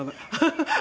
ハハハハ！